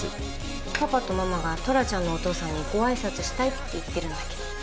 パパとママが虎ちゃんのお父さんにごあいさつしたいって言ってるんだけど。